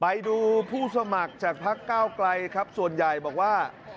ไปดูผู้สมัครจากพักเก้าไกลครับส่วนใหญ่บอกว่า